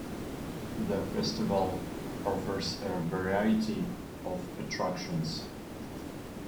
The festival offers a variety of attractions.